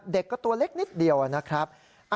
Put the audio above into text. เด็กก็ตัวเล็กนิดเดียวนะครับ